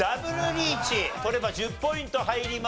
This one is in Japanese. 取れば１０ポイント入ります。